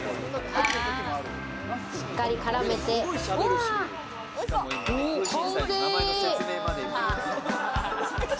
しっかり絡めて、完成！